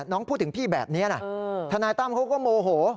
น้องพูดถึงพี่แบบนี้นะทนายตั้มเขาก็โมโห